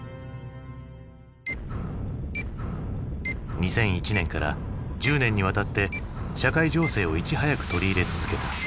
２００１年から１０年にわたって社会情勢をいち早く取り入れ続けた。